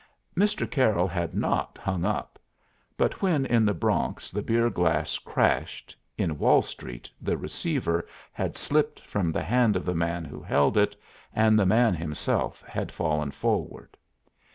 Mr. Carroll had not "hung up," but when in the Bronx the beer glass crashed, in Wall Street the receiver had slipped from the hand of the man who held it, and the man himself had fallen forward.